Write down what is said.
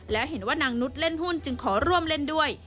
แล้วเห็นว่านางนุษย์เล่นหุ้นจึงขอร่วมเล่นด้วย